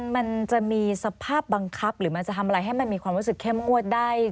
มันจะมีสภาพบังคับหรือมันจะทำอะไรให้มันมีความรู้สึกเข้มงวดได้